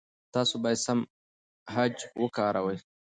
تاسو باید سم خج وکاروئ.